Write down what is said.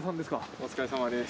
お疲れさまです